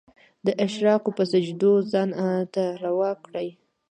د اشراق په سجدو ځان ته روا کړ